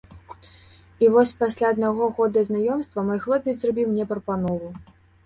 І вось пасля аднаго года знаёмства мой хлопец зрабіў мне прапанову.